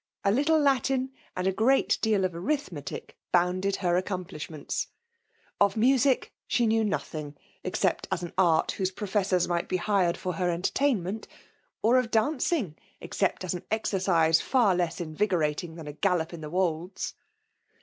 A little Latin, and a great deal of arithmetic, bounded her accom plishments. Of music she knew nothing, ex cept as an art whose professors might be hired for her entertainment ; or of dancing, except as an exercise far less invigorating than a gal lop on the wolds.